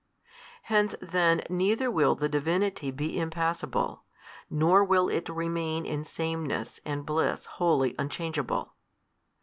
Hence then neither will the Divinity be Impassible, nor will It remain in sameness and Bliss wholly Unchangeable.